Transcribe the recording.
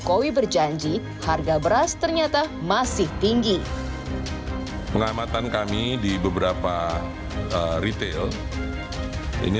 jokowi berjanji harga beras ternyata masih tinggi pengamatan kami di beberapa retail ini